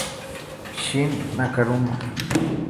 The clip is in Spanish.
Shin Nakamura